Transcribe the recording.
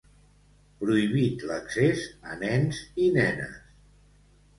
Prohibit l'accés a nens i nenes.